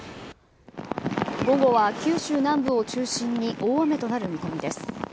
午後は九州南部を中心に、大雨となる見込みです。